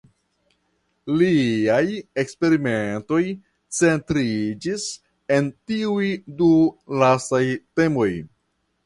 Liaj eksperimentoj centriĝis en tiuj du lastaj temoj.